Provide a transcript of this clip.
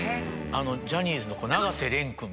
ジャニーズの。